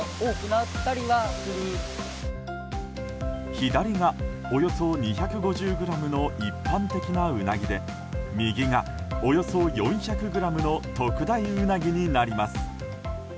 左がおよそ２５０ｇの一般的なウナギで右がおよそ４００ｇの特大ウナギになります。